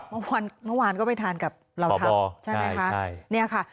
เมื่อวานก็ไปทานกับเราทำ